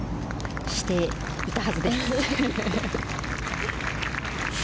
していたはずです。